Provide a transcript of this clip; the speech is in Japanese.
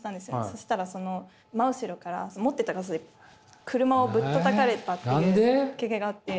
そしたらその真後ろから持ってた傘で車をぶったたかれたっていう経験があって。